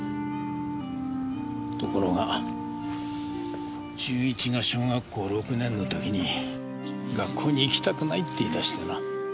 ところが純一が小学校６年の時に学校に行きたくないって言い出してな。